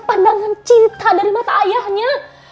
pandangan cinta dari mata ayahnya